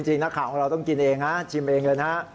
จริงนักข่าวของเราต้องกินเองนะชิมเองเลยนะฮะ